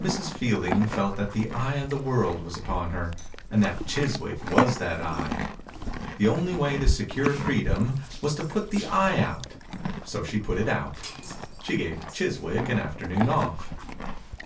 Mrs. Fielding felt that the eye of the world was upon her, and that Chiswick was that eye. The only way to secure freedom was to put the eye out, so she put it out. She gave Chiswick an afternoon ofF.